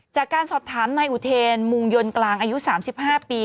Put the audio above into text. จากการสอบถามนายอุเทนมุงยนต์กลางอายุ๓๕ปี